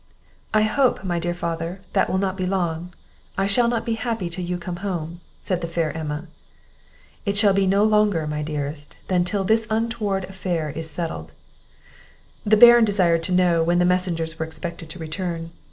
"I hope, my dear father, that will not be long; I shall not be happy till you come home," said the fair Emma. "It shall be no longer, my dearest, than till this untoward affair is settled." The Baron desired to know when the messengers were expected to return.